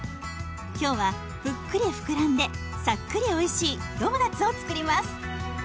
今日はぷっくりふくらんでさっくりおいしいドーナツを作ります。